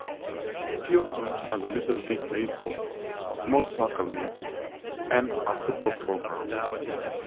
Peotone has a little league baseball, a small soccer league, and a football program.